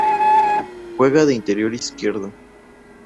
Juega de Interior izquierdo.